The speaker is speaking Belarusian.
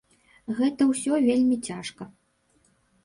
Гэта ўсё вельмі цяжка.